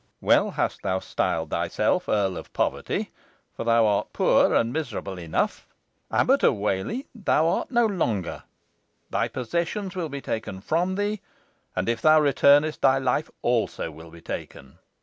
"Well hast thou styled thyself Earl of Poverty, for thou art poor and miserable enough. Abbot of Whalley thou art no longer. Thy possessions will be taken from thee, and if thou returnest thy life also will be taken.